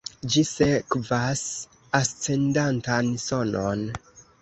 Ĝi sekvas ascendantan sonon.